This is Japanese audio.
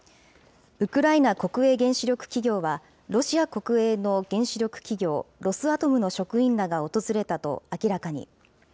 ウクライナ国営原子力企業は、ロシア国営の原子力企業、ロスアトムの職員らが訪れたと明らかに。